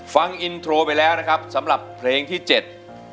ฟังอินโทรไปแล้วนะครับสำหรับเพลงที่เจ็ด